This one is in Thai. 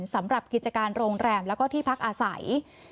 สำหรับกิจการโรงแรมแล้วก็ที่พักอาศัย